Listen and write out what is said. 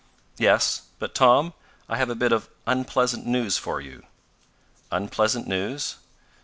"Yes. But, Tom, I have a bit of unpleasant news for you." "Unpleasant news?"